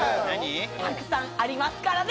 たくさんありますからね。